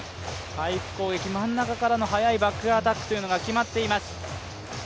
パイプ攻撃、真ん中からの速いバックアタックが決まっています。